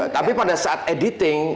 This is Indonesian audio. tapi pada saat editing